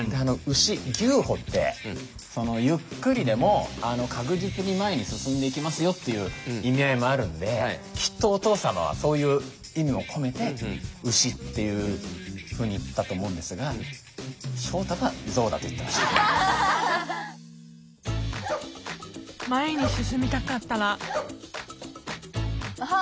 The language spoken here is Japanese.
牛牛歩ってゆっくりでも確実に前に進んでいきますよっていう意味合いもあるんできっとお父様はそういう意味も込めて牛っていうふうに言ったと思うんですが前に進みたかったらあっ！